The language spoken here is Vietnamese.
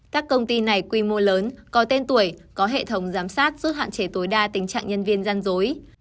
các công ty này quy mô lớn có tên tuổi có hệ thống giám sát giúp hạn chế tối đa tình trạng nhân viên gian dối